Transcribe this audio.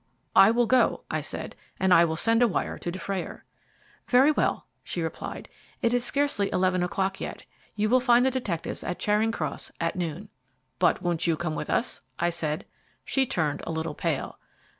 "I will go," I said, "and I will send a wire to Dufrayer." "Very well," she replied; "it is scarcely eleven o'clock yet you will find the detectives at Charing Cross at noon." "But won't you come with us?" I said. She turned a little pale.